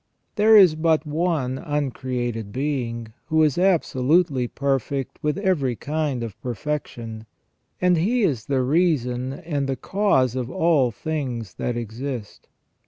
There is but one uncreated Being, who is absolutely perfect with every kind of perfection, and He is the reason and the cause of all things that exist.